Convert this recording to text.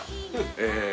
え。